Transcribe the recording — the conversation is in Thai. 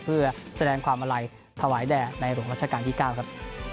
เพื่อแสดงความอาลัยถวายแด่ในหลวงรัชกาลที่๙ครับ